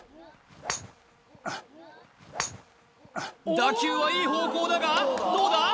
打球はいい方向だがどうだ？